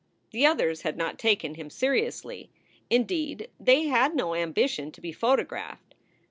The others had not taken him seriously. Indeed, they had no ambition to be photographed.